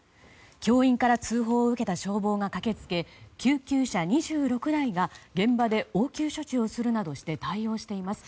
教員から通報を受けた消防が駆け付け救急車２６台が現場で応急処置をするなどして対応しています。